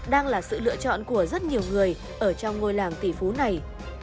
đang là sự lựa chọn của rất nhiều người ở trong ngôi làng tỷ phú này